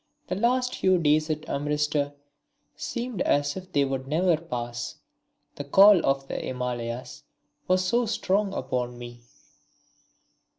The last few days at Amritsar seemed as if they would never pass, the call of the Himalayas was so strong upon me.